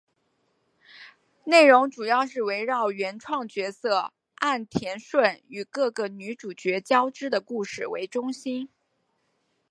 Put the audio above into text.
内容主要是围绕原创角色岸田瞬与各个女主角交织的故事为中心。